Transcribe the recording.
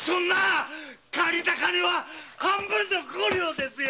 借りた金は半分の五両ですよ！